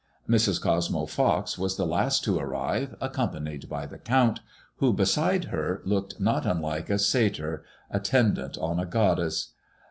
Mrs. Cosmo Fox was the last to arrive, accompanied by the Count, who, beside her, looked not unlike a Satyr attendant on a goddess.